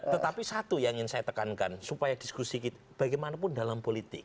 tetapi satu yang ingin saya tekankan supaya diskusi kita bagaimanapun dalam politik